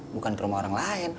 bukan ke rumah orang lain